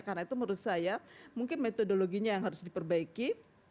karena itu menurut saya mungkin metodologinya yang harus diperbaiki